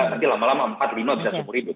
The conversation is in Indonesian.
nanti lama lama empat lima bisa sepuluh ribu